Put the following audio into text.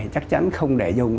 chắc chắn không để dùng